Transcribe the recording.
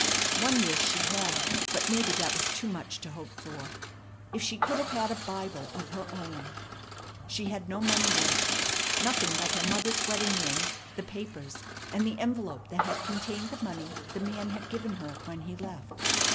One wish she had, but maybe that was too much to hope for. If she could have had a Bible of her own! She had no money left. Nothing but her mother's wedding ring, the papers, and the envelope that had contained the money the man had given her when he left.